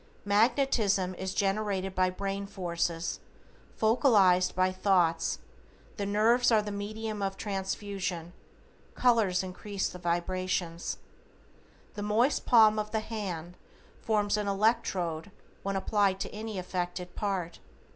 Magnetism is generated by brain forces focalized by thoughts, the nerves are the medium of transfusion, colors increase the vibrations. The moist palm of the hand forms an electrode when applied to any affected part.